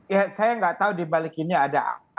ya saya gak tahu dibalik ini ada